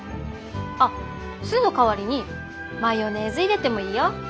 あっ酢の代わりにマヨネーズ入れてもいいよ。